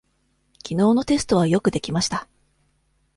きのうのテストはよくできました。